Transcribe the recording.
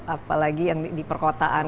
apalagi yang di perkotaan